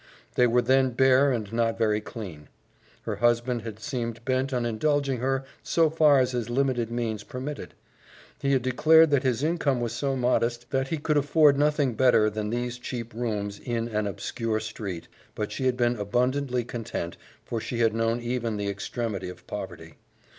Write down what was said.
They were then bare and not very clean. Her husband had seemed bent on indulging her so far as his limited means permitted. He had declared that his income was so modest that he could afford nothing better than these cheap rooms in an obscure street, but she had been abundantly content, for she had known even the extremity of poverty.